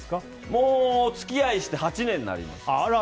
もうお付き合いして８年になります。